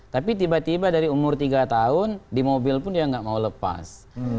tapi tiba tiba dari umur tiga tahun di mobil pun dia nggak mau lepas